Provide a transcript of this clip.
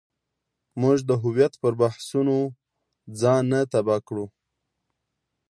موږ د هویت پر بحثونو ځان نه تباه کړو.